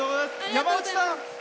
山内さん。